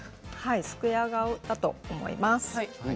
スクエア顔だと思います。